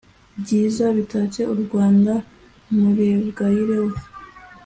byiza bitatse u rwanda. murebwayire we